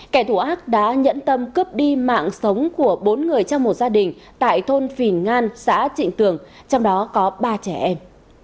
kẻ thù ác đã nhẫn tâm cướp đi mạng sống của bốn người trong một gia đình tại thôn phìn ngan xã trịnh tường trong đó có ba trẻ em